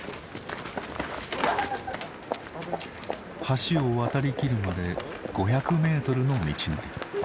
橋を渡りきるまで５００メートルの道のり。